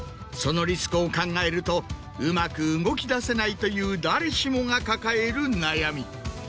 そのリスクを考えるとうまく動きだせないという誰しもが抱える悩み。